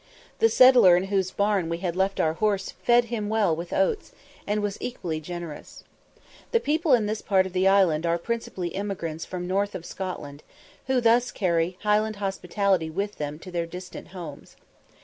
The settler in whose barn we had left our horse fed him well with oats, and was equally generous. The people in this part of the island are principally emigrants from the north of Scotland, who thus carry Highland hospitality with them to their distant homes.